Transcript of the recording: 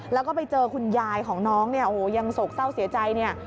แล้วก็ไปเจอคุณยายของน้องเนี่ยโอ้โหยังโศกเศร้าเสียใจเนี่ย